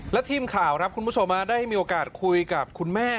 และทีมข่าวครับคุณผู้ชมได้มีโอกาสคุยกับคุณแม่